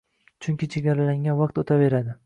Chunki chegaralangan vaqt o’taveradi.